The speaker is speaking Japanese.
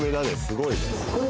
すごいね。